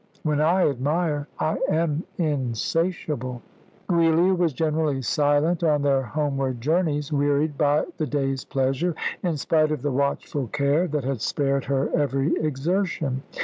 When I admire I am insatiable." Giulia was generally silent on their homeward journeys, wearied by the day's pleasure, in spite of the watchful care that had spared her every exertion.